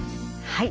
はい。